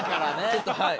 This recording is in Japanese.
ちょっとはい。